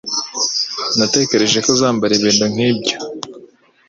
Natekereje ko uzambara ibintu nkibyo.